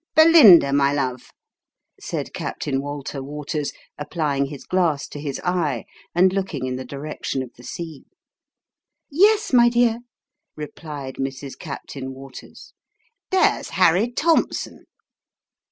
" Belinda, my love," said Captain Walter Waters, applying his glass to his eye, and looking in the direction of the sea. " Yes, my dear," replied Mrs. Captain Waters. " There's Harry Thompson